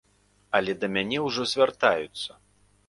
Але да мяне ўжо звяртаюцца.